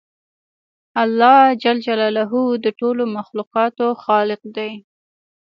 الله جل جلاله د ټولو مخلوقاتو خالق دی